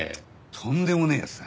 とんでもねえ奴だ。